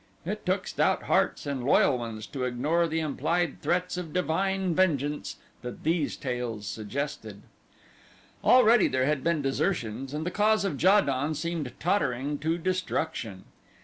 It took stout hearts and loyal ones to ignore the implied threats of divine vengeance that these tales suggested. Already there had been desertions and the cause of Ja don seemed tottering to destruction.